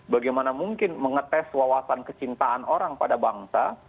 bagaimana mungkin mengetes wawasan kecintaan orang pada bangsa